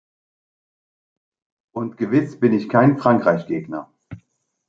Und gewiss bin ich kein Frankreich-Gegner.